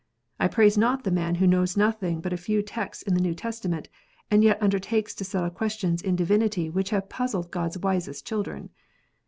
I praise not the man who knows nothing but a few texts in the New Testament, and yet undertakes to settle questions in divinity which have puzzled God s wisest children.